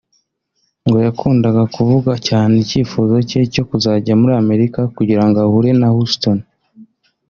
ngo yakundaga kuvuga cyane icyifuzo cye cyo kuzajya muri Amerika kugira ngo ahure na Houston